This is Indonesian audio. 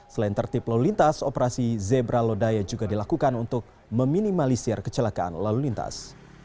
selain tertip lalu lintas operasi zebra lodaya juga dilakukan untuk meminimalisir kecelakaan lalu lintas